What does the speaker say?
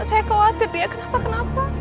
saya khawatir dia kenapa kena serigala